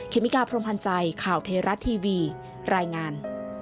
เมกาพรมพันธ์ใจข่าวเทราะทีวีรายงาน